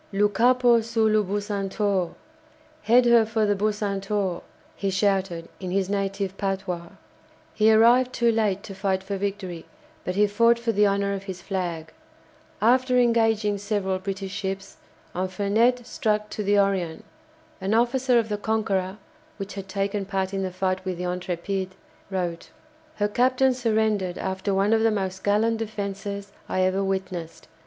"Lou capo sur lou 'Bucentaure'!" ("Head her for the 'Bucentaure'!") he shouted in his native patois. He arrived too late to fight for victory, but he fought for the honour of his flag. After engaging several British ships, Infernet struck to the "Orion." An officer of the "Conqueror" (which had taken part in the fight with the "Intrépide") wrote: "Her captain surrendered after one of the most gallant defences I ever witnessed.